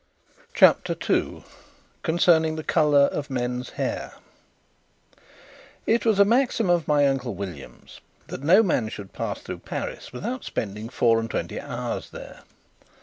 CHAPTER 2 Concerning the Colour of Men's Hair It was a maxim of my Uncle William's that no man should pass through Paris without spending four and twenty hours there.